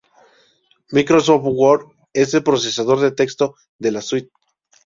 Microsoft Word es el procesador de texto de la "suite".